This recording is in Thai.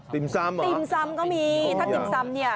ติมซ้ำเหรอติมซ้ำก็มีถ้าติมซ้ำนี่